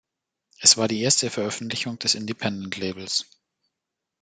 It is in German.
Es war die erste Veröffentlichung des Independent-Labels.